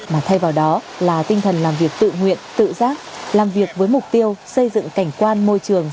mà thay vào đó là tinh thần làm việc tự nguyện tự giác làm việc với mục tiêu xây dựng cảnh quan môi trường